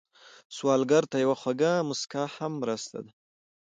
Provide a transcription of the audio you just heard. سوالګر ته یوه خوږه مسکا هم مرسته ده